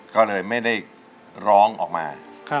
ก็เลยไม่ได้ร้องออกมา